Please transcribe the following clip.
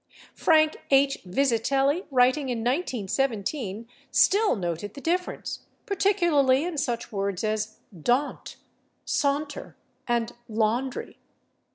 Frank H. Vizetelly, writing in 1917, still noted the difference, particularly in such words as /daunt/, /saunter/ and /laundry